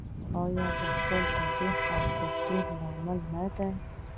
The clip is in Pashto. آیا د خپل تاریخ او کلتور له امله نه دی؟